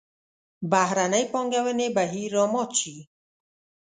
بهرنۍ پانګونې بهیر را مات شي.